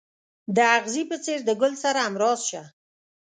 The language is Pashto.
د اغزي په څېر د ګل سره همراز شه.